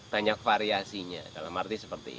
banyak variasinya dalam arti seperti